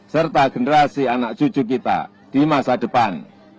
serta generasi anak cucu kita di masa depan